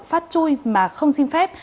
phát chui mà không xin phép